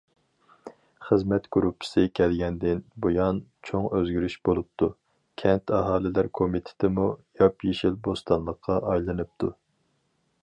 خىزمەت گۇرۇپپىسى كەلگەندىن بۇيان چوڭ ئۆزگىرىش بولۇپتۇ، كەنت ئاھالىلەر كومىتېتىمۇ ياپيېشىل بوستانلىققا ئايلىنىپتۇ.